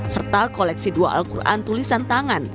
serta koleksi dua alquran tulisan tangan